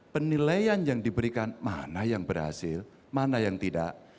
penilaian yang diberikan mana yang berhasil mana yang tidak